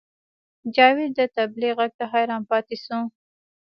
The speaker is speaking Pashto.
جاوید د طبلې غږ ته حیران پاتې شو